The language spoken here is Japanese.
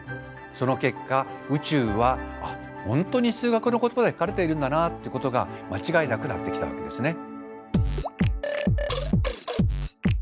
その結果宇宙は本当に数学の言葉で書かれているんだなっていうことが間違いなくなってきたわけですね。